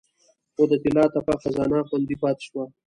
خو د طلا تپه خزانه خوندي پاتې شوه